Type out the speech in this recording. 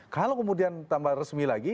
kalau kemudian tambah resmi lagi